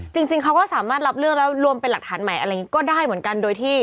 จริงเขาก็สามารถรับเรื่องแล้วรวมเป็นหลักฐานใหม่ก็ได้เหมือนกัน